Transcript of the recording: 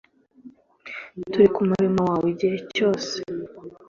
Turi kumurimo wawe igihe cyose